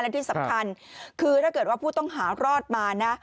และที่สำคัญคือถ้าเกิดว่าผู้ต้องหารอดมานะ